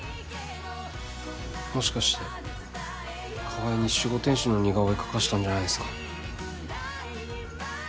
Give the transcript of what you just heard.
もしかして川合に守護天使の似顔絵描かしたんじゃないんすか？